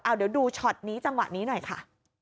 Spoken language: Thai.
เดี๋ยวดูช็อตนี้จังหวะนี้หน่อยค่ะ